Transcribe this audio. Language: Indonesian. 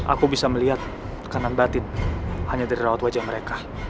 aku bisa melihat tekanan batin hanya dari rawat wajah mereka